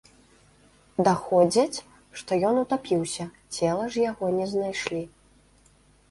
Даходзяць, што ён утапіўся, цела ж яго не знайшлі.